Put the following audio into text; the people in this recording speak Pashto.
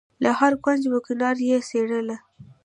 له هره کونج و کناره یې څېړلې.